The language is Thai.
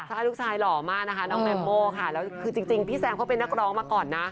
ใช่ลูกชายหล่อมากนะคะน้องแมมโม่ค่ะแล้วคือจริงพี่แซมเขาเป็นนักร้องมาก่อนนะ